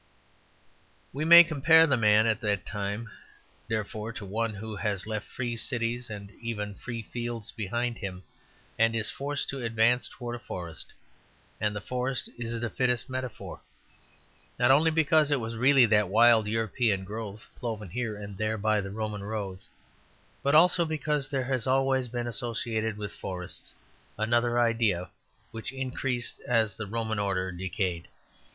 We may compare the man of that time, therefore, to one who has left free cities and even free fields behind him, and is forced to advance towards a forest. And the forest is the fittest metaphor, not only because it was really that wild European growth cloven here and there by the Roman roads, but also because there has always been associated with forests another idea which increased as the Roman order decayed.